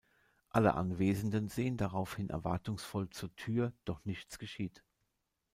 Alle Anwesenden sehen darauf hin erwartungsvoll zur Tür, doch nichts geschieht.